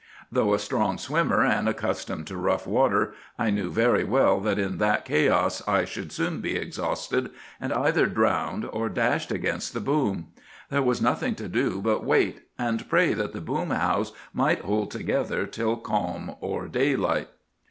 Though a strong swimmer, and accustomed to rough water, I knew very well that in that chaos I should soon be exhausted, and either drowned or dashed against the boom. There was nothing to do but wait, and pray that the boom house might hold together till calm or daylight.